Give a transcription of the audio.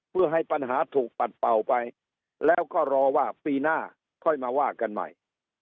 เพื่อให้ปัญหาถูกปัดเป่าไปแล้วก็รอว่าปีหน้าค่อยมาว่ากันใหม่